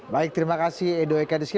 baik terima kasih edo eka rizky